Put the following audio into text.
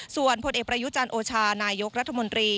ส่วนผลเอกประยุจันทร์โอชานายกรัฐมนตรี